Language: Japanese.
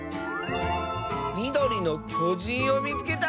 「みどりのきょじんをみつけた！」。